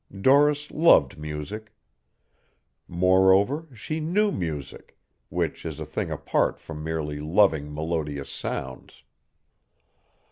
Doris loved music. Moreover she knew music, which is a thing apart from merely loving melodious sounds.